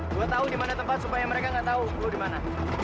gue tahu dimana tempat supaya mereka enggak tahu dimana